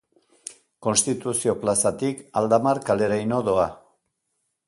Konstituzio plazatik Aldamar kaleraino doa.